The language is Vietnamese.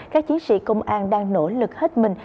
các chiến sĩ công an đang nỗ lực hết mình